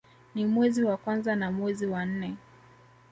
Ni mwezi wa kwanza na mwezi wa nne